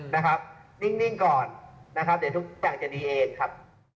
นะครับนิ่งก่อนแต่ทุกอย่างจะดีเองครับ